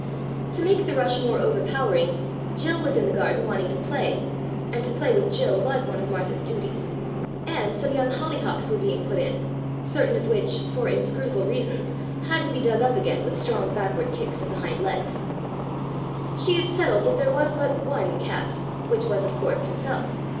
To make the rush more overpowering, Jill was in the garden wanting to play (and to play with Jill was one of Martha's duties) and some young holly hocks were being put in, certain of which, for in scrutable reasons, had to be dug up again with strong backward kicks of the hind legs. She had settled that there was but one cat, which was, of course, herself.